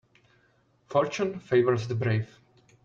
Fortune favours the brave.